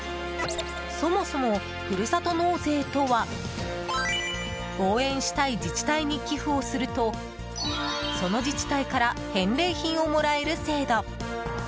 そもそもふるさと納税とは応援したい自治体に寄付をするとその自治体から返礼品をもらえる制度。